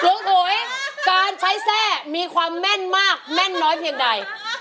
อุ๋ยการใช้แทร่มีความแม่นมากแม่นน้อยเพียงใด